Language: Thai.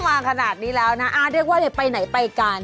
มาขนาดนี้แล้วนะอ้าวเรียกว่าไปไหนไปกัน